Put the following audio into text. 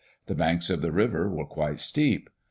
The banks of the river were quite steep.